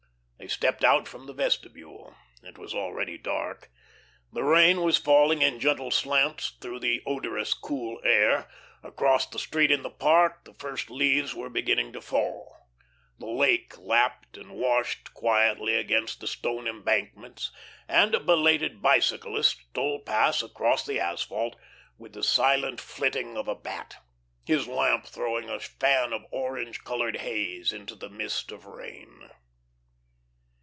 They stepped out from the vestibule. It was already dark. The rain was falling in gentle slants through the odorous, cool air. Across the street in the park the first leaves were beginning to fall; the lake lapped and washed quietly against the stone embankments and a belated bicyclist stole past across the asphalt, with the silent flitting of a bat, his lamp throwing a fan of orange coloured haze into the mist of rain.